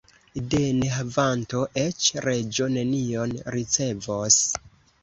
De nehavanto eĉ reĝo nenion ricevos.